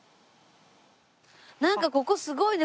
なんかここすごいね。